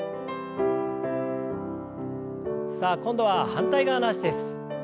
さあ今度は反対側の脚です。